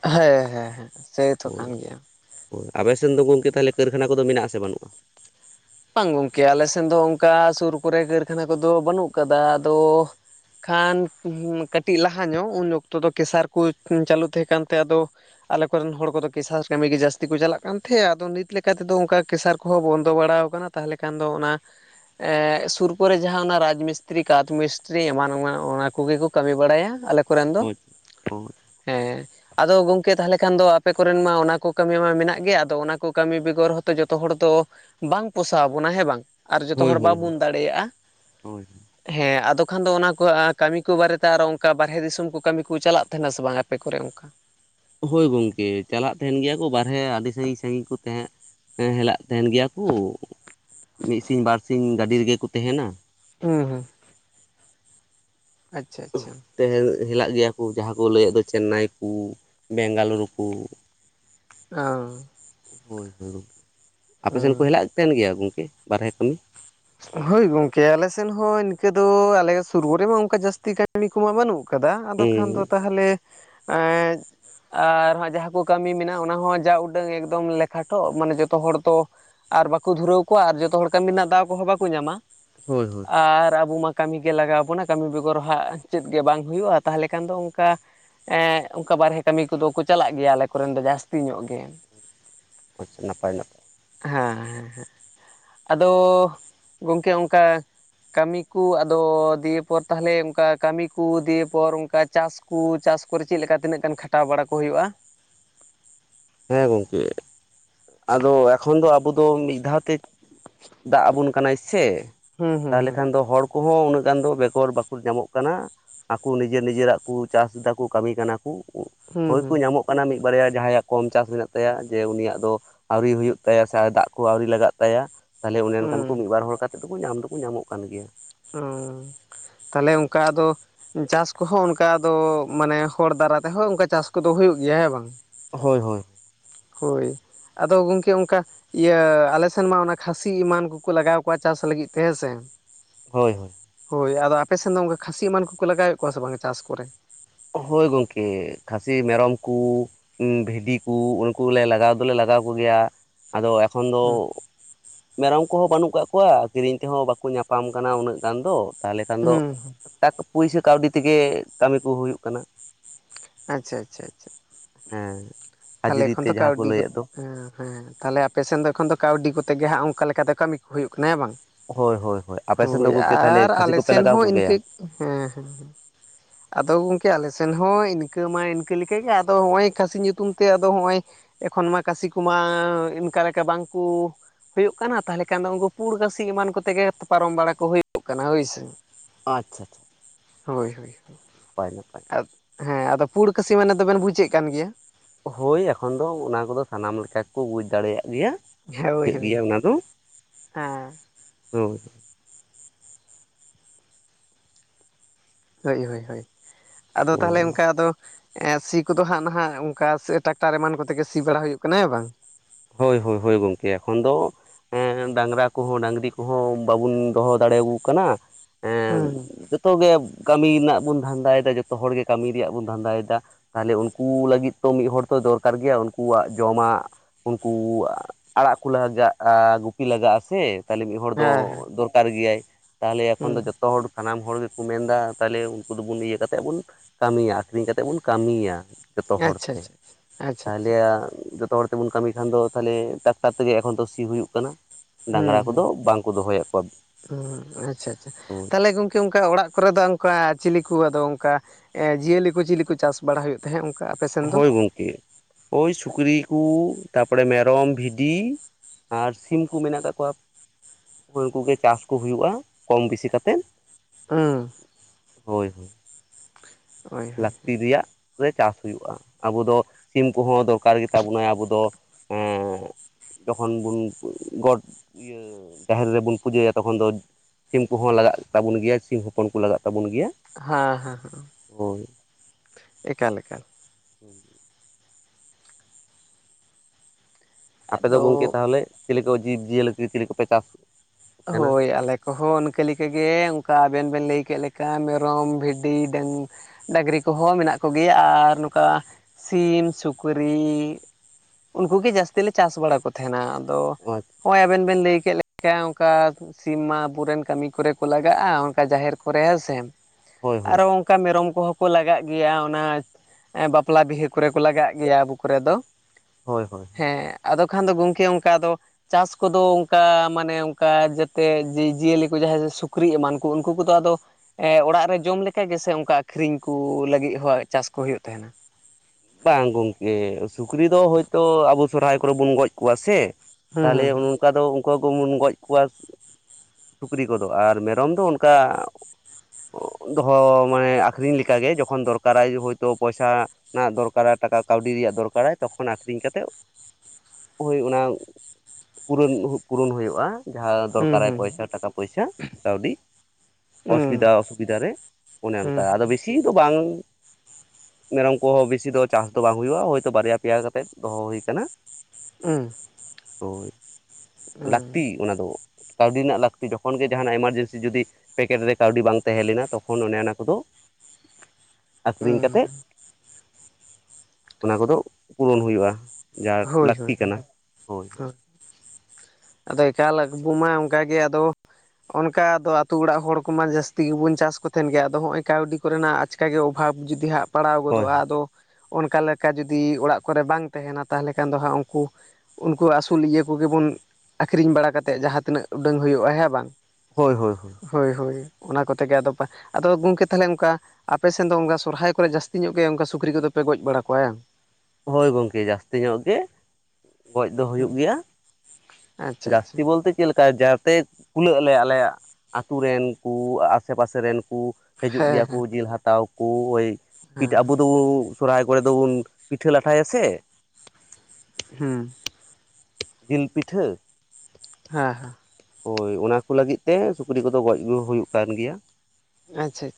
A: ᱦᱮᱸ ᱦᱮᱸ ᱦᱮᱸ ᱥᱮᱭᱛᱚ ᱠᱟᱱ ᱜᱮᱭᱟ᱾
B: [unintelligible] ᱟᱵᱮ ᱥᱮᱱ ᱫᱚ ᱜᱚᱢᱠᱮ ᱛᱟᱦᱚᱞᱮ ᱠᱟᱹᱨᱠᱷᱟᱱᱟ ᱠᱚᱫᱚ ᱢᱮᱱᱟᱜᱼᱟ ᱥᱮ, ᱵᱟᱹᱱᱩᱜᱼᱟ?
A: ᱵᱟᱝ ᱜᱚᱝᱠᱮ ᱟᱞᱮ ᱥᱮᱱ ᱫᱚ ᱚᱱᱠᱟ ᱥᱩᱨ ᱠᱚᱨᱮ ᱠᱟᱹᱨᱠᱷᱟᱱᱟ ᱠᱚᱫᱚ ᱵᱟᱹᱱᱩᱜ ᱠᱟᱫᱟ ᱟᱫᱚ ᱠᱷᱟᱱ ᱠᱟᱹᱴᱤᱡ ᱞᱟᱦᱟ ᱧᱚᱜ ᱩᱱ ᱚᱠᱛᱚ ᱫᱚ ᱠᱮᱥᱟᱨ ᱠᱚ ᱪᱟᱹᱞᱩ ᱛᱟᱦᱮᱸ ᱠᱟᱱᱛᱮ ᱟᱫᱚ ᱟᱞᱮ ᱠᱚᱨᱮᱱ ᱦᱚᱲ ᱠᱚᱫᱚ ᱠᱮᱥᱟᱨ ᱠᱟᱹᱢᱤ ᱜᱮ ᱡᱟᱹᱥᱛᱤ ᱠᱚ ᱪᱟᱞᱟᱜ ᱠᱟᱱ ᱛᱟᱦᱮᱸᱫ ᱟᱫᱚ ᱱᱤᱛ ᱞᱮᱠᱟᱛᱮᱫᱚ ᱚᱱᱠᱟ ᱠᱮᱥᱟᱨ ᱠᱚᱦᱚᱸ ᱵᱚᱱᱫᱚ ᱵᱟᱲᱟ ᱠᱟᱱᱟ ᱛᱟᱦᱚᱞᱮ ᱠᱷᱟᱱ ᱫᱚ ᱚᱱᱟ ᱮᱸ ᱥᱩᱨ ᱯᱚᱨᱮ ᱡᱟᱦᱟᱸ ᱚᱱᱟ ᱨᱟᱡᱽ ᱢᱤᱥᱛᱨᱤ ᱠᱟᱛ ᱢᱤᱥᱛᱨᱤ ᱮᱢᱟᱱ ᱮᱢᱟᱱ ᱚᱱᱟ ᱠᱚᱜᱮ ᱠᱚ ᱠᱟᱹᱢᱤ ᱵᱟᱲᱟᱭᱟ ᱟᱞᱮ ᱠᱚᱨᱮᱱ ᱫᱚ
B: ᱦᱳᱭ
A: ᱦᱮᱸ ᱟᱫᱚ ᱜᱚᱝᱠᱮ ᱛᱟᱦᱚᱞᱮ ᱠᱷᱟᱱ ᱫᱚ ᱟᱯᱮ ᱠᱚᱨᱮᱱ ᱢᱟ ᱚᱱᱟ ᱠᱚ ᱠᱟᱹᱢᱤ ᱢᱟ ᱢᱮᱱᱟᱜ ᱜᱮ ᱟᱫᱚ ᱚᱱᱟ ᱠᱚ ᱠᱟᱹᱢᱤ ᱵᱮᱜᱚᱨ ᱦᱚᱸᱛᱚ ᱡᱚᱛᱚ ᱦᱚᱲ ᱛᱚ ᱵᱟᱝ ᱯᱚᱥᱟᱣ ᱵᱚᱱᱟ ᱦᱮᱸ ᱵᱟᱝ ᱟᱨ ᱡᱚᱛᱚ
B: ᱦᱳᱭ
A: ᱦᱚᱲ
B: ᱦᱳᱭ
A: ᱵᱟᱵᱚᱱ ᱫᱟᱲᱮᱭᱟᱜ-ᱟ᱾
B: ᱦᱳᱭ
A: ᱦᱮᱸ ᱟᱫᱚ ᱠᱷᱟᱱ ᱫᱚ ᱚᱱᱟ ᱠᱚ ᱠᱟᱹᱢᱤ ᱠᱚ ᱵᱟᱨᱮᱛᱮ ᱟᱨᱚ ᱚᱱᱠᱟ ᱵᱟᱨᱦᱨᱮ ᱫᱤᱥᱚᱢ ᱠᱚ ᱠᱟᱹᱢᱤ ᱠᱚ ᱪᱟᱞᱟᱜ ᱛᱟᱦᱮᱱᱟ ᱥᱮ ᱵᱟᱝ ᱟᱯᱮ ᱠᱚᱨᱮ ᱚᱱᱠᱟ?
B: ᱦᱳᱭ ᱜᱚᱝᱠᱮ ᱪᱟᱞᱟᱜ ᱛᱟᱸᱦᱮᱱ ᱜᱮᱭᱟ ᱠᱚ ᱵᱟᱨᱦᱮ ᱟᱹᱰᱤ ᱥᱟᱺᱜᱤᱧ ᱥᱟᱺᱜᱤᱧ ᱠᱚ ᱛᱟᱦᱮ ᱦᱮᱸ ᱦᱮᱞᱟᱜ ᱛᱟᱦᱮᱱ ᱜᱮᱭᱟ ᱠᱚ ᱢᱤᱫ ᱥᱤᱧ ᱵᱟᱨ ᱥᱤᱧ ᱜᱟᱹᱰᱤ ᱨᱮᱜᱮ ᱠᱚ ᱛᱟᱦᱮᱱᱟ
A: ᱦᱩᱸ ᱦᱩᱸ ᱟᱪᱪᱷᱟ ᱟᱪᱪᱷᱟ
B: ᱛᱮ ᱦᱮᱞ ᱦᱮᱞᱟᱜ ᱜᱮᱭᱟ ᱠᱚ ᱡᱟᱦᱟᱸ ᱠᱩ ᱞᱟᱹᱭᱮᱫ ᱫᱚ ᱪᱮᱱᱱᱟᱭ ᱠᱩ ᱵᱮᱝᱜᱟᱞᱩᱨᱩ ᱠᱩ
A: ᱚᱸ
B: ᱦᱳᱭ ᱟᱯᱮ ᱥᱮᱱ ᱠᱚ
A: ᱚ
B: ᱦᱮᱞᱟᱜ ᱛᱟᱦᱮᱱ ᱜᱮᱭᱟ ᱜᱚᱢᱠᱮ ᱵᱟᱨᱦᱮ ᱠᱟᱹᱢᱤ?
A: ᱦᱳᱭ ᱜᱚᱝᱠᱮ ᱟᱞᱮᱥᱮᱱ ᱦᱚᱸ ᱤᱱᱠᱟᱹ ᱫᱚ ᱟᱞᱮᱭᱟᱜ ᱥᱩᱨ ᱠᱚᱨᱮᱢᱟ ᱚᱱᱠᱟ ᱡᱟᱥᱥᱛᱤ ᱠᱟᱹᱢᱤ ᱠᱚᱢᱟ ᱵᱟᱹᱱᱩᱜ ᱠᱟᱫᱟ ᱟᱫᱚ
B: ᱦᱮᱸ
A: ᱠᱷᱟᱱ ᱫᱚ ᱛᱟᱦᱚᱞᱮ ᱮᱸ ᱟᱨ ᱦᱟᱸᱜ ᱡᱟᱦᱟᱸ ᱠᱚ ᱠᱟᱹᱢᱤ ᱢᱮᱱᱟᱜ-ᱟ ᱚᱱᱟ ᱦᱚᱸ ᱡᱟ ᱩᱰᱟᱹᱝ ᱮᱠᱫᱚᱢ ᱞᱮᱠᱷᱟᱴᱚᱜ ᱢᱟᱱᱮ ᱡᱚᱛᱚ ᱦᱚᱲ ᱛᱚ ᱟᱨ ᱵᱟᱠᱚ ᱫᱷᱩᱨᱟᱹᱣ ᱠᱚᱣᱟ ᱟᱨ ᱡᱚᱛᱚ ᱦᱚᱲ ᱠᱟᱹᱢᱤ ᱨᱮᱱᱟᱜ ᱫᱟᱣ ᱠᱚᱦᱚᱸ ᱵᱟᱠᱚ ᱧᱟᱢᱟ
B: ᱦᱳᱭ ᱦᱳᱭ
A: ᱟᱨ ᱟᱵᱚ ᱢᱟ ᱠᱟᱹᱢᱤᱜᱮ ᱞᱟᱜᱟᱣ ᱵᱚᱱᱟ ᱠᱟᱹᱢᱤ ᱵᱮᱜᱚᱨ ᱦᱟᱸᱜ ᱪᱮᱫ ᱜᱮ ᱵᱟᱝ ᱦᱩᱭᱩᱜ-ᱟ ᱛᱟᱦᱚᱞᱮ ᱠᱷᱟᱱ ᱫᱚ ᱚᱱᱠᱟ ᱮᱸᱜ ᱚᱱᱠᱟ ᱵᱟᱨᱦᱮ ᱠᱟᱹᱢᱤ ᱠᱚᱫᱚ ᱠᱚ ᱪᱟᱞᱟᱜ ᱜᱮᱭᱟ ᱟᱞᱮ ᱠᱚᱨᱮᱱ ᱫᱚ ᱡᱟᱹᱥᱛᱤ ᱧᱚᱜ ᱜᱮ
B: ᱱᱟᱯᱟᱭ ᱱᱚᱜ
A: ᱦᱮᱸ ᱟᱫᱚ ᱜᱚᱝᱠᱮ ᱚᱱᱠᱟ ᱠᱟᱹᱢᱤ ᱠᱚ ᱟᱫᱚ ᱫᱤᱭᱮ ᱯᱚᱨ ᱛᱟᱦᱚᱞᱮ ᱚᱱᱠᱟ ᱠᱟᱹᱢᱤ ᱠᱚ ᱫᱤᱭᱮ ᱯᱚᱨ ᱚᱱᱠᱟ ᱪᱟᱥ ᱠᱩ ᱪᱟᱥ ᱠᱚᱨᱮ ᱪᱮᱫ ᱞᱮᱠᱟ ᱛᱤᱱᱟᱹᱜ ᱜᱟᱱ ᱠᱷᱟᱴᱟᱣ ᱵᱟᱲᱟ ᱠᱩ ᱦᱩᱭᱩᱜ-ᱟ
B: ᱦᱮᱸ ᱜᱚᱝᱠᱮ ᱟᱫᱚ ᱮᱠᱷᱚᱱ ᱫᱚ ᱟᱵᱚ ᱫᱚ ᱢᱤᱫ ᱫᱷᱟᱣ ᱛᱮ ᱫᱟᱜ ᱟᱵᱚᱱ ᱠᱟᱱᱟᱭ ᱥᱮ
A: ᱦᱩᱸ ᱦᱩᱸ
B: ᱛᱟᱦᱚᱞᱮ
A: ᱦᱩᱸ
B: ᱠᱷᱟᱱ ᱫᱚ ᱦᱚᱲ ᱠᱩᱦᱚᱸ ᱩᱱᱟᱹᱜ ᱜᱟᱱ ᱫᱚ ᱵᱮᱜᱚᱨ ᱵᱟᱠᱚ ᱧᱟᱢᱚᱜ ᱠᱟᱱᱟ ᱟᱠᱚ ᱱᱤᱡᱮᱨ ᱱᱤᱡᱮᱨᱟᱜ ᱠᱚ ᱪᱟᱥ ᱫᱟᱠᱚ ᱠᱟᱹᱢᱤ ᱠᱟᱱᱟ ᱠᱚ ᱦᱳᱭ ᱠᱚ
A: ᱦᱩᱸ
B: ᱧᱟᱢᱚᱜ ᱠᱟᱱᱟ ᱢᱤᱫ ᱵᱟᱨᱭᱟ ᱡᱟᱦᱟᱸᱭ ᱟᱜ ᱠᱚᱢ ᱪᱟᱥ ᱢᱮᱱᱟᱜ ᱛᱟᱭᱟ ᱡᱮ ᱩᱱᱤᱭᱟᱜ ᱫᱚ ᱟᱣᱨᱤ ᱦᱩᱭᱩᱜ ᱛᱟᱭᱟ ᱥᱮ ᱫᱟᱜ ᱠᱚ ᱟᱣᱨᱤ ᱞᱟᱜᱟᱜ ᱛᱟᱭᱟ ᱛᱟᱦᱚᱞᱮ ᱚᱱᱮ ᱚᱱᱠᱟᱱ
A: ᱦᱩᱸ
B: ᱠᱚ ᱢᱤᱫ ᱵᱟᱨ ᱦᱚᱲ ᱠᱟᱛᱮᱫ ᱫᱚᱠᱚ ᱧᱟᱢ ᱫᱚᱠᱚ ᱧᱟᱢᱚᱜ ᱠᱟᱱ ᱜᱮᱭᱟ
A: ᱚᱸ ᱛᱟᱦᱚᱞᱮ ᱚᱝᱠᱟ ᱫᱚ ᱪᱟᱥ ᱠᱚᱦᱚᱸ ᱚᱱᱠᱟ ᱫᱚ ᱢᱟᱱᱮ ᱦᱚᱲ ᱫᱟᱨᱟᱭ ᱛᱮᱦᱚᱸ ᱚᱱᱠᱟ ᱪᱟᱥ ᱠᱚᱫᱚ ᱦᱩᱭᱩᱜ ᱜᱮᱭᱟ ᱦᱮᱸ ᱵᱟᱝ?
B: ᱦᱳᱭ ᱦᱳᱭ
A: ᱦᱳᱭ ᱟᱫᱚ ᱜᱚᱝᱠᱮ ᱚᱱᱠᱟ ᱤᱭᱟᱹ ᱟᱞ ᱥᱮᱱ ᱢᱟ ᱚᱱᱟ ᱠᱷᱟᱹᱥᱤ ᱮᱢᱟᱱ ᱠᱚᱠᱚ ᱞᱟᱜᱟᱣ ᱠᱚᱣᱟ ᱪᱟᱥ ᱞᱟᱹᱜᱤᱫ ᱛᱮ ᱦᱮᱸᱥᱮ
B: ᱦᱳᱭ ᱦᱳᱭ
A: ᱦᱳᱭ ᱟᱫᱚ ᱟᱯᱮᱥᱮᱱ ᱫᱚ ᱠᱷᱟᱹᱥᱤ ᱮᱢᱟᱱ ᱠᱚᱠᱚ ᱞᱟᱜᱟᱣᱮᱫ ᱠᱚᱣᱟ ᱥᱮ ᱵᱟᱝ ᱪᱟᱥ ᱠᱚᱨᱮ?
B: ᱦᱚᱳᱭ ᱜᱚᱝᱠᱮ ᱠᱷᱟᱥᱤ ᱢᱮᱨᱚᱢ ᱠᱚ ᱵᱷᱤᱰᱤ ᱠᱚ ᱩᱱᱠᱩ ᱞᱮ ᱞᱟᱜᱟᱣ ᱫᱚᱞᱮ ᱞᱟᱜᱟᱣ ᱠᱚᱜᱮᱭᱟ ᱟᱫᱚ ᱮᱠᱷᱚᱱ ᱫᱚ
A: ᱦᱩᱸ
B: ᱢᱮᱨᱚᱢ ᱠᱚᱦᱚᱸ ᱵᱟᱹᱱᱩᱜ ᱠᱟᱜ ᱠᱚᱣᱟ ᱠᱤᱨᱤᱧ ᱛᱮᱦᱚᱸ ᱵᱟᱠᱚ ᱧᱟᱯᱟᱢ ᱠᱟᱱᱟ ᱩᱱᱟᱹᱜ ᱜᱟᱱ ᱫᱚ ᱛᱟᱦᱚᱞᱮ ᱠᱷᱟᱱ ᱫᱚ
A: ᱦᱩᱸ
B: ᱴᱟᱠᱟ ᱯᱩᱭᱥᱟᱹ ᱠᱟᱹᱣᱰᱤ ᱛᱮᱜᱮ ᱠᱟᱹᱢᱤ ᱠᱚ ᱦᱩᱭᱩᱜ ᱠᱟᱱᱟ
A: ᱟᱪᱪᱷᱟ, ᱟᱪᱪᱷᱟ, ᱟᱪᱪᱷᱟ,
B: ᱦᱮᱸ
A: ᱛᱟᱦᱞᱮ
B: ᱦᱟᱹᱡᱨᱤ
A: ᱮᱠᱷᱟᱱ
B: ᱛᱮ
A: ᱛᱚ
B: ᱡᱟᱦᱟᱸ
A: ᱠᱟᱹᱣᱰᱤ ᱠᱚ
B: ᱞᱟᱹᱭᱮᱫ ᱫᱚ
A: ᱮᱸ ᱦᱮᱸ ᱛᱟᱦᱚᱞᱮ ᱟᱯᱮᱥᱮᱱ ᱫᱚ ᱮᱠᱷᱚᱱ ᱫᱚ ᱠᱟᱹᱣᱰᱤ ᱠᱚᱛᱮ ᱜᱮ ᱦᱟᱸᱜ ᱚᱱᱠᱟ ᱞᱮᱠᱟ ᱞᱮᱠᱟᱛᱮ ᱠᱟᱹᱢᱤ ᱠᱚ ᱦᱩᱭᱩᱜ ᱠᱟᱱᱟ ᱦᱮᱸ ᱵᱟᱝ᱾
B: ᱦᱳᱭ ᱦᱳᱭ ᱟᱯᱮ ᱥᱮᱱ
A: ᱦᱳᱭ
B: ᱫᱚ ᱜᱚᱝᱠᱮ
A: ᱟᱨ
B: ᱛᱟᱦᱚᱞᱮ ᱠᱷᱟᱹᱥᱤ
A: ᱟᱞᱮ
B: ᱠᱚᱯᱮ
A: ᱥᱮᱱ
B: ᱞᱟᱜᱟᱣ
A: ᱦᱚᱸ ᱤᱱᱠᱟᱹ
B: ᱠᱚᱜᱮᱭᱟ
A: ᱦᱮᱸ ᱦᱮᱸ ᱟᱫᱚ ᱜᱚᱝᱠᱮ ᱟᱞᱮ ᱥᱮᱱ ᱦᱚᱸ ᱤᱱᱠᱟᱹ ᱢᱟ ᱤᱱᱠᱟᱹ ᱞᱮᱠᱟᱜᱮ ᱟᱫᱚ ᱦᱚᱸᱜ ᱚᱭ ᱠᱷᱟᱹᱥᱤ ᱧᱩ ᱧᱩᱛᱩᱢ ᱛᱮ ᱟᱫᱚ ᱦᱚᱸᱜᱼᱚᱭ ᱮᱠᱷᱚᱱ ᱢᱟ ᱠᱟᱹᱥᱤ ᱠᱚᱢᱟ ᱤᱱᱠᱟ ᱞᱮᱠᱟ ᱵᱟᱝᱠᱩ ᱦᱳᱭᱳᱜ ᱠᱟᱱᱟ ᱛᱟᱦᱚᱞᱮ ᱠᱷᱟᱱ ᱫᱚ ᱩᱱᱠᱩ ᱯᱩᱸᱲ ᱠᱟᱹᱥᱤ ᱮᱢᱟᱱ ᱠᱚᱛᱮ ᱜᱮ ᱯᱟᱨᱚᱢ ᱵᱟᱲᱟ ᱠᱚ ᱦᱩᱭᱩᱜ ᱠᱟᱱᱟ ᱦᱳᱭᱥᱮ
B: ᱟᱪᱪᱷᱟ ᱟᱪᱪᱷᱟ
A: ᱦᱳᱭ ᱦᱳᱭ ᱦᱳᱭ
B: ᱱᱟᱯᱟᱭ, ᱱᱟᱯᱟᱭ᱾
A: ᱟᱸ ᱦᱮᱸ ᱟᱫᱚ ᱯᱩᱲ ᱠᱟᱹᱥᱤ ᱢᱟᱱᱮ ᱛᱚᱵᱮᱱ ᱵᱩᱡ ᱮᱜ ᱠᱟᱱ ᱜᱮᱭᱟ᱾
B: ᱦᱳᱭ ᱮᱠᱷᱚᱱ ᱫᱚ ᱚᱱᱟ ᱠᱚᱫᱚ ᱥᱟᱱᱟᱢ ᱞᱮᱠᱟ ᱠᱚ ᱵᱩᱡᱽ ᱫᱟᱲᱮᱭᱟᱜ ᱜᱮᱭᱟ᱾
A: ᱦᱳᱭ
B: ᱵᱩᱡᱷᱟᱹᱜ
A: ᱦᱳᱭ
B: ᱜᱮᱭᱟ ᱚᱱᱟ ᱫᱚ
A: ᱦᱮᱸ
B: ᱦᱳᱭ᱾
A: ᱦᱳᱭ ᱤᱭᱟᱹ ᱦᱳᱭ ᱦᱳᱭ ᱟᱫᱚ ᱛᱟᱦᱞᱮ ᱚᱝᱠᱟ ᱟᱫᱚ ᱮᱸᱜ ᱥᱤ ᱠᱚ ᱫᱚ ᱦᱟᱸᱜ ᱱᱟᱦᱟᱸᱜ ᱚᱝᱠᱟ ᱥᱮ ᱴᱟᱠᱴᱟᱨ ᱮᱢᱟᱱ ᱠᱚᱛᱮ ᱜᱮ ᱥᱤ ᱵᱟᱲᱟ ᱦᱩᱭᱩᱜ ᱠᱟᱱᱟ ᱦᱮᱸ ᱵᱟᱝ᱾
B: ᱦᱳᱭ ᱦᱳᱭ ᱦᱳᱭ ᱜᱚᱝᱠᱮ ᱮᱠᱷᱚᱱ ᱫᱚ ᱦᱮᱸ ᱦᱮᱸ ᱰᱟᱝᱨᱟ ᱠᱩᱦᱚᱸ ᱰᱟᱝᱨᱤ ᱠᱚ ᱦᱚᱸ ᱵᱟᱵᱚᱱ ᱫᱚᱦᱚ ᱫᱟᱲᱮᱭᱟ ᱠᱩ ᱠᱟᱱᱟ᱾
A: ᱦᱮᱸ ᱦᱩᱸ᱾
B: ᱛᱚ ᱜᱮ ᱠᱟᱹᱢᱤ ᱨᱮᱱᱟᱜ ᱵᱚᱱ ᱫᱷᱟᱱᱫᱟᱭ ᱮᱫᱟ ᱡᱚᱛᱚ ᱦᱚᱲ ᱜᱮ ᱠᱟᱹᱢᱤ ᱨᱮᱭᱟᱜ ᱵᱚᱱ ᱫᱷᱟᱱᱫᱟᱭ ᱮᱫᱟ᱾ ᱛᱟᱦᱞᱮ ᱩᱱᱠᱩ ᱞᱟᱹᱜᱤᱫ ᱛᱚ ᱢᱤᱫ ᱦᱚᱲ ᱛᱚ ᱫᱚᱨᱠᱟᱨ ᱜᱮᱭᱟ ᱩᱱᱠᱩᱣᱟᱜ ᱡᱚᱢᱟᱜ ᱩᱱᱠᱩ ᱟᱲᱟᱜ ᱠᱚ ᱞᱟᱦᱟᱜᱟᱜ-ᱟ ᱜᱩᱯᱤ ᱞᱟᱜᱟᱜ-ᱟᱥᱮ ᱛᱟᱦᱞᱮ ᱢᱤᱫ ᱦᱚᱲ
A: ᱦᱮᱸ ᱦᱮᱸ
B: ᱫᱚ ᱫᱚᱨ ᱠᱟᱨ ᱜᱮᱭᱟᱭ ᱛᱟᱦᱚᱞᱮ ᱮᱠᱷᱚᱱ ᱫᱚ
A: ᱦᱩᱸ
B: ᱡᱚᱛᱚ ᱦᱚᱲ ᱥᱟᱱᱟᱢ ᱦᱚᱲ ᱜᱮ ᱠᱚ ᱢᱮᱱ ᱫᱟ ᱛᱟᱦᱞᱮ ᱩᱱᱠᱩ ᱫᱚ ᱵᱩᱱ ᱤᱭᱟᱹ ᱠᱟᱛᱮᱜ ᱵᱩᱱ ᱠᱟᱹᱢᱤᱭᱟ ᱟᱹᱷᱨᱤᱧ ᱠᱟᱛᱮᱜ ᱵᱚᱱ ᱠᱟᱹᱢᱤᱭᱟ ᱡᱚᱛᱚ ᱦᱚᱲ
A: ᱟᱪᱪᱷᱟ
B: ᱛᱮ
A: ᱟᱪᱪᱷᱟ ᱟᱪᱪᱷᱟ
B: ᱛᱟᱦᱞᱮ
A: ᱟᱪᱪᱷᱟ
B: ᱡᱚᱛᱚ ᱦᱚᱲ ᱛᱮ ᱵᱩᱱ ᱠᱟᱹᱢᱤ ᱠᱷᱟᱱ ᱫᱚ ᱛᱟᱦᱞᱮ ᱴᱟᱠᱴᱟᱨ ᱛᱮ ᱜᱮ ᱮᱠᱷᱚᱱ ᱫᱚ ᱥᱤ ᱦᱩᱭᱩᱜ ᱠᱟᱱᱟ᱾
A: ᱦᱩᱸ
B: ᱰᱟᱝᱨᱟ
A: ᱦᱩᱸ
B: ᱠᱚᱫᱚ ᱵᱟᱝᱠᱚ ᱫᱚᱦᱚᱭᱮᱫ ᱠᱚᱣᱟ
A: ᱦᱩᱸ ᱟᱪᱪᱷᱟ ᱟᱪᱪᱷᱟ ᱛᱟᱦᱞᱮ ᱜᱚᱝᱠᱮ ᱚᱝᱠᱟ ᱚᱲᱟᱜ ᱠᱚ ᱨᱮ ᱫᱚ ᱚᱝᱠᱟ ᱪᱤᱞᱤ ᱠᱚ ᱟᱫᱚ ᱚᱝᱠᱟ ᱡᱤᱭᱟᱹᱞᱤ ᱠᱚ ᱪᱤᱞᱤ ᱠᱚ ᱪᱟᱥ ᱵᱟᱲᱟ ᱦᱩᱭᱩᱜ ᱛᱮᱦᱮᱸᱜ ᱚᱝᱠᱟ ᱟᱯᱮ ᱥᱮᱱ ᱫᱚ?
B: ᱦᱳᱭ ᱜᱚᱝᱠᱮ ᱳᱭ ᱥᱩᱠᱨᱤ ᱠᱩ, ᱛᱟᱯᱚᱨᱮ ᱢᱮᱨᱚᱢ, ᱵᱷᱤᱰᱤ, ᱾ ᱟᱨ ᱥᱤᱢ ᱠᱚ ᱢᱮᱱᱟᱜ ᱠᱟᱜ ᱠᱚᱣᱟ᱾ ᱦᱳᱭ ᱩᱝᱠᱩ ᱜᱮ ᱪᱟᱥ ᱠᱚ ᱦᱩᱭᱩᱜ-ᱟ ᱠᱚᱢ ᱵᱤᱥᱤ ᱠᱟᱛᱮᱫ
A: ᱦᱩᱸ
B: ᱦᱳᱭ ᱦᱳᱭ᱾
A: ᱦᱳᱭ ᱦᱳᱭ
B: ᱞᱟᱠᱹᱛᱤ ᱨᱮᱭᱟᱜ ᱨᱮ ᱪᱟᱥ ᱦᱩᱭᱩᱜ-ᱟ ᱟᱵᱚ ᱫᱚ ᱥᱤᱢ ᱠᱚ ᱦᱚᱸ ᱫᱚᱨᱠᱟᱨ ᱜᱮᱛᱟ ᱵᱚᱱᱟ ᱟᱵᱚ ᱫᱚ ᱮᱸᱜ ᱡᱚᱠᱷᱚᱱ ᱵᱚᱱ ᱜᱚᱴ ᱤᱭᱟᱹ ᱡᱟᱦᱮᱨ ᱨᱮᱵᱚᱱ ᱯᱩᱡᱟᱹᱭᱟ ᱛᱚᱠᱷᱚᱱ ᱫᱚ ᱥᱤᱢ ᱠᱚ ᱦᱚᱸ ᱞᱟᱜᱟᱜ ᱛᱟᱵᱚᱱ ᱜᱮᱭᱟ ᱥᱤᱢ ᱦᱚᱯᱚᱱ ᱠᱚ ᱞᱟᱜᱟᱜ ᱛᱟᱵᱚᱱ ᱜᱮᱭᱟ᱾
A: ᱦᱟᱸ ᱦᱟᱸ ᱦᱟᱸ᱾
B: ᱦᱳᱭ᱾
A: ᱮᱠᱟᱞ ᱮᱠᱟᱞ᱾
B: [unintelligible] ᱟᱯᱮ ᱫᱚ ᱜᱚᱝᱠᱮ
A: ᱟᱫᱚ
B: ᱛᱟᱦᱚᱞᱮ ᱪᱮᱞᱮ ᱠᱚ ᱡᱤᱵᱽ-ᱡᱤᱭᱟᱹᱞᱤ ᱠᱚ ᱜᱮ ᱪᱤᱞᱤ ᱠᱚ ᱯᱮ ᱪᱟᱥ ᱛᱟᱦᱮᱱᱟ?
A: ᱦᱳᱭ ᱟᱞᱮ᱾ ᱠᱚᱦᱚᱸ ᱤᱱᱠᱟᱹ ᱞᱮᱠᱟ ᱜᱮ ᱚᱝᱠᱟ ᱟᱵᱮᱱ ᱵᱮᱱ ᱞᱟᱹᱭ ᱠᱮᱜ ᱞᱮᱠᱟ ᱢᱮᱨᱚᱢ ᱵᱷᱤᱰᱤ ᱰᱟᱹᱝ ᱰᱟᱜᱨᱤ ᱠᱚ ᱦᱚᱸ ᱢᱮᱱᱟᱜ ᱠᱚ ᱜᱮᱭᱟ ᱟᱨ ᱱᱚᱠᱟ ᱥᱤᱢ, ᱥᱩᱠᱨᱤ ᱩᱱᱠᱩ ᱜᱮ ᱡᱟᱹᱥᱛᱤ ᱞᱮ ᱪᱟᱥ ᱵᱟᱲᱟ ᱠᱚ ᱛᱮᱦᱮᱱᱟ ᱟᱫᱚ,
B: ᱦᱳᱭ
A: ᱦᱚᱸᱜ-ᱚᱭ ᱟᱵᱮᱱ ᱵᱮᱱ ᱞᱟᱹᱭ ᱠᱮᱜ ᱞᱮᱠᱟ᱾ ᱠᱟ ᱥᱤᱢ ᱢᱟ ᱟᱵᱚ ᱨᱮᱱ ᱠᱟᱹᱢᱤ ᱠᱚ ᱨᱮ ᱠᱚ ᱞᱟᱜᱟᱜ-ᱟ, ᱚᱝᱠᱟ ᱡᱟᱦᱮᱨ ᱠᱚ ᱨᱮ ᱦᱮᱸ ᱥᱮ᱾
B: ᱦᱳᱭ
A: ᱟᱨᱚ ᱚᱝᱠᱟ ᱢᱮᱨᱚᱢ ᱠᱚ ᱦᱚᱸ ᱠᱚ ᱞᱟᱜᱟᱜ ᱜᱮᱭᱟ ᱚᱱᱟ, ᱮ ᱵᱟᱯᱞᱟ ᱵᱤᱦᱟᱹ ᱠᱚᱨᱮ ᱠᱚ ᱞᱟᱜᱟᱜ ᱜᱮᱭᱟ ᱟᱵᱚ ᱠᱚ ᱨᱮ ᱫᱚ᱾
B: ᱦᱳᱭ ᱦᱳᱭ
A: ᱦᱮᱸ ᱟᱫᱚ ᱠᱷᱟᱱ ᱫᱚ ᱜᱚᱝᱠᱮ ᱚᱝᱠᱟ ᱟᱫᱚ, ᱪᱟᱥ ᱠᱚ ᱫᱚ ᱚᱝᱠᱟ ᱢᱟᱱᱮ ᱚᱝ ᱠᱟ ᱡᱟᱛᱮ ᱡᱤ ᱡᱤᱭᱟᱹᱞᱤ ᱠᱚ ᱡᱟᱦᱟᱸᱭ ᱥᱩᱠᱨᱤ ᱮᱢᱟᱱ ᱠᱚ, ᱩᱱᱠᱩ ᱠᱚ ᱫᱚ ᱟᱫᱚ ᱮᱸᱜ ᱚᱲᱟᱜ ᱨᱮ ᱡᱚᱢ ᱞᱮᱠᱟ ᱜᱮ ᱥᱮ, ᱚᱝᱠᱟ ᱟᱹᱠᱷᱨᱤᱧ ᱠᱩ ᱞᱟᱹᱜᱤᱫ ᱦᱚᱸ ᱪᱟᱥ ᱠᱚ ᱦᱩᱭᱩᱜ ᱛᱟᱦᱮᱱᱟ᱾
B: ᱵᱟᱝ ᱜᱚᱝᱠᱮ, ᱥᱩᱠᱨᱤ ᱫᱚ ᱦᱳᱭᱛᱳ ᱟᱵᱚ ᱥᱚᱦᱨᱟᱭ ᱠᱚ ᱨᱮ ᱵᱚᱱ ᱜᱚᱡᱽ ᱠᱚᱣᱟ ᱥᱮ᱾
A: ᱦᱩᱸ
B: ᱛᱟᱦᱞᱮ
A: ᱦᱩᱸ
B: ᱚᱱ-ᱚᱱᱠᱟ ᱫᱚ ᱩᱱᱠᱩ ᱟᱠᱚ ᱵᱩᱱ ᱜᱚᱡᱽ ᱠᱚᱣᱟ ᱥᱩᱠᱨᱤ ᱠᱚᱫᱚ, ᱟᱨ ᱢᱮᱨᱚᱢ ᱫᱚ ᱚᱱᱠᱟ ᱫᱚᱦᱚᱸ ᱢᱟᱱᱮ ᱟᱹᱠᱷᱨᱤᱧ ᱞᱮᱠᱟ ᱜᱮ ᱡᱚᱠᱷᱚᱱ ᱫᱚᱨᱠᱟᱨᱟᱭ ᱦᱳᱭᱛᱳ ᱯᱚᱭᱥᱟ ᱱᱟᱜ ᱫᱚᱨᱠᱟᱨᱟ ᱴᱟᱠᱟ ᱠᱟᱹᱣᱰᱤ ᱨᱮᱭᱟᱜ ᱫᱚᱨᱠᱟ ᱨᱟᱭ ᱛᱚᱠᱷᱚᱱ ᱟᱹᱠᱷᱨᱤᱧ ᱠᱟᱛᱮᱜ ᱦᱳᱭ ᱚᱱᱟ ᱯᱩᱨᱟᱹᱱ ᱯᱩᱨᱚᱱ ᱦᱚᱭᱳᱜᱼᱟ᱾ ᱡᱟᱦᱟᱸ ᱫᱚᱨᱠᱟᱨᱟᱭ
A: ᱦᱩᱸ
B: ᱯᱚᱭᱥᱟ ᱴᱟᱠᱟ ᱯᱚᱭᱥᱟ, ᱠᱟᱹᱣᱰᱤ᱾ ᱚᱥᱩᱵᱤᱫᱟ
A: ᱦᱩᱸ
B: ᱚᱥᱩᱵᱤᱫᱟ ᱨᱮ, ᱚᱱᱮ
A: ᱦᱩᱸ
B: ᱚᱱᱠᱟ ᱟᱫᱚ ᱵᱮᱥᱤ ᱫᱚ ᱵᱟᱝ ᱢᱮᱨᱚᱢ ᱠᱚᱦᱚᱸ ᱵᱮᱥᱤ ᱫᱚ ᱪᱟᱥ ᱫᱚ ᱵᱟᱝ ᱦᱩᱭᱩᱜᱼᱟ, ᱦᱳᱭᱛᱳ ᱵᱟᱨᱭᱟ ᱯᱮᱭᱟ ᱠᱟᱛᱮᱜ ᱫᱚᱦᱚ ᱦᱩᱭᱠᱟᱱᱟ᱾
A: ᱦᱩᱸ᱾
B: ᱦᱳᱭ,
A: ᱦᱩᱸ
B: ᱞᱟᱹᱠᱛᱤ ᱚᱱᱟ ᱫᱚ᱾ ᱠᱟᱹᱣᱰᱤ ᱨᱮᱱᱟᱜ ᱞᱟᱹᱠᱛᱤ, ᱡᱚᱠᱷᱚᱱ ᱜᱮ ᱡᱟᱦᱟᱱᱟᱜ ᱮᱢᱟᱨᱡᱮᱱᱥᱤ ᱡᱩᱫᱤ᱾ ᱯᱮᱠᱮᱴ ᱨᱮ ᱠᱟᱹᱣᱰᱤ ᱵᱟᱝ ᱛᱟᱦᱮᱸ ᱞᱮᱱᱟ, ᱛᱚᱠᱷᱚᱱ ᱚᱱᱮ ᱚᱱᱟ ᱠᱚᱫᱚ
A: [inaudible]
B: ᱟᱸᱠᱷᱨᱤᱧ ᱠᱟᱛᱮᱫ
A: ᱦᱩᱸ
B: ᱚᱱᱟ ᱠᱚᱫᱚ ᱯᱩᱨᱚᱱ ᱦᱩᱭᱩᱜᱼᱟ, ᱡᱟ
A: ᱦᱳᱭ
B: ᱞᱟᱹᱠᱛᱤ
A: ᱦᱳᱭ ᱦᱳᱭ
B: ᱠᱟᱱᱟ, ᱦᱳᱭ ᱦᱳᱭ᱾
A: ᱟᱫᱚ ᱮᱠᱟᱞ ᱟᱵᱩ ᱢᱟ ᱚᱱᱠᱟᱜᱮ ᱟᱫᱚ ᱚᱱᱠᱟᱫᱚ ᱟᱛᱩ ᱚᱲᱟᱜ ᱦᱚᱲ ᱠᱚᱢᱟ ᱡᱟᱹᱥᱛᱤ ᱜᱮᱵᱚᱱ ᱪᱟᱥ ᱠᱚ ᱛᱟᱦᱮᱸᱱ ᱜᱮᱭᱟ ᱟᱫᱚ ᱦᱚᱸᱜ-ᱚᱭ ᱠᱟᱹᱣᱰᱤ ᱠᱚᱨᱮᱱᱟᱜ ᱟᱪ ᱠᱟᱜᱮ ᱚᱵᱷᱟᱵᱽ ᱡᱩᱫᱤ ᱦᱟᱸᱜ ᱯᱟᱲᱟᱣ
B: ᱦᱳᱭ
A: ᱜᱚᱫᱚᱜᱼᱟ, ᱟᱫᱚ ᱚᱱᱠᱟ ᱞᱮᱠᱟ ᱡᱩᱫᱤ ᱚᱲᱟᱜ ᱠᱚᱨᱮ ᱵᱟᱝ ᱛᱟᱦᱮᱸᱱᱟ᱾ ᱛᱟᱦᱞᱮ ᱠᱷᱟᱱ ᱫᱚ ᱦᱟᱸᱜ ᱩᱝᱠᱩ, ᱩᱱᱠᱩ ᱟᱹᱥᱩᱞ ᱤᱭᱟᱹ ᱠᱚᱜᱮᱵᱩᱱ, ᱟᱸᱠᱷᱨᱤᱧ ᱵᱟᱲᱟ ᱠᱟᱛᱮᱫ ᱡᱟᱦᱟᱸ ᱛᱤᱱᱟᱹᱜ ᱩᱰᱟᱹᱝ ᱦᱩᱭᱩᱜᱼᱟ ᱦᱮᱸ ᱵᱟᱝ?
B: ᱦᱳᱭ ᱦᱳᱭ ᱦᱳᱭ᱾
A: ᱦᱳᱭ ᱦᱳᱭ, ᱚᱱᱟ ᱠᱚᱛᱮ ᱜᱮ ᱟᱫᱚ ᱟᱫᱚ ᱜᱚᱝᱠᱮ ᱛᱟᱦᱞᱮ ᱚᱱᱠᱟ ᱟᱯᱮ ᱥᱮᱱ ᱫᱚ ᱚᱱᱠᱟ ᱥᱚᱨᱦᱟᱭ ᱠᱚᱨᱮ ᱡᱟᱹᱥᱛᱤ ᱧᱚᱜ ᱜᱮ ᱚᱱᱠᱟ ᱥᱩᱠᱨᱤ ᱠᱚᱫᱚᱯᱮ ᱜᱚᱡᱽ ᱵᱟᱲᱟ ᱠᱚᱣᱟᱭᱟᱝ᱾
B: ᱦᱳᱭ ᱜᱚᱝᱠᱮ, ᱡᱟᱹᱥᱛᱤ ᱧᱚᱜ ᱜᱮ᱾ ᱜᱚᱡᱽ ᱫᱚ ᱦᱩᱭᱩᱜ ᱜᱮᱭᱟ,
A: ᱟᱪᱪᱷᱟ ᱟᱪᱪᱷᱟ
B: ᱡᱟᱹᱥᱛᱤ ᱵᱚᱞᱛᱮ ᱪᱮᱫ ᱞᱮᱠᱟ ᱡᱟᱛᱮ ᱩᱱᱟᱹᱜ ᱟᱞᱮ ᱟᱞᱮ, ᱟᱛᱳ ᱨᱮᱱ ᱠᱩ ᱟᱥᱮ ᱯᱟᱥᱮᱨᱮᱱ᱾ ᱠᱩ ᱦᱤᱡᱩᱜ ᱜᱮᱭᱟ ᱠᱩ
A: ᱦᱮᱸ
B: ᱡᱤᱞ ᱦᱟᱛᱟᱣ ᱠᱩ, ᱳᱭ
A: ᱦᱮᱸ
B: ᱯᱤᱴ
A: ᱦᱮᱸ
B: ᱟᱵᱩ ᱫᱩ ᱥᱚᱨᱦᱟᱭ ᱠᱚᱨᱮ ᱫᱚᱵᱩᱱ ᱯᱤᱴᱷᱟᱹ ᱞᱟᱴᱷᱟᱭᱟ ᱥᱮ᱾
A: ᱦᱩᱸ᱾
B: ᱡᱤᱞ ᱯᱤᱴᱷᱟᱹ᱾
A: ᱦᱮᱸ ᱦᱮᱸ᱾
B: ᱦᱳᱭ, ᱚᱱᱟ ᱠᱚ ᱞᱟᱹᱜᱤᱫ ᱛᱮ ᱥᱩᱠᱨᱤ ᱠᱚᱫᱚ ᱜᱚᱡᱽ ᱜᱩ ᱦᱩᱭᱩᱜ ᱠᱟᱱ ᱜᱮᱭᱟ᱾
A: ᱟᱪᱪᱷᱟ᱾